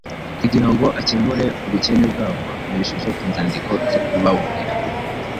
kugira ngo akemure ubukene bwabo akoresheje inzandiko zo kubaburira